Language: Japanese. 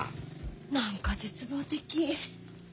何か絶望的。